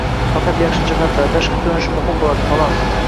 Faqat yaxshi jihatlar, tashqi ko`rinish muhim bo`ladi, xolos